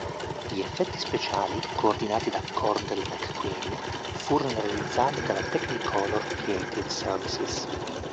Gli effetti speciali, coordinati da Cordell McQueen, furono realizzati dalla Technicolor Creative Services.